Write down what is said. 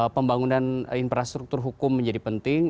pembangunan infrastruktur hukum menjadi penting